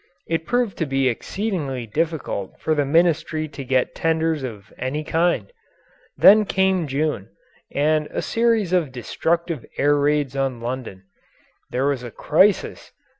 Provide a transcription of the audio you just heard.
It proved to be exceedingly difficult for the Ministry to get tenders of any kind. Then came June and a series of destructive air raids on London. There was a crisis.